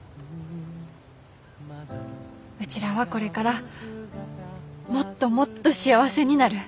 うちらはこれからもっともっと幸せになる。